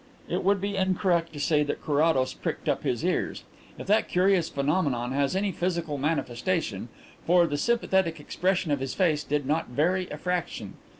It would be incorrect to say that Carrados pricked up his ears if that curious phenomenon has any physical manifestation for the sympathetic expression of his face did not vary a fraction.